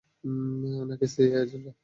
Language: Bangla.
নাকি সিআইএ এজেন্টরা?